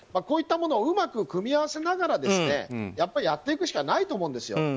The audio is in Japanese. こういったものを、うまく組み合わせながらやっていくしかないと思うんですよ。